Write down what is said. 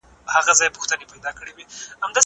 زه به ليکلي پاڼي ترتيب کړي وي!!